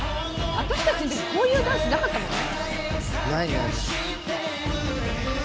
「私たちのときこういうダンスなかったもんね」